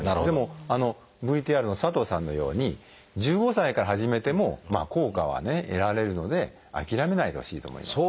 でもＶＴＲの佐藤さんのように１５歳から始めても効果は得られるので諦めないでほしいと思います。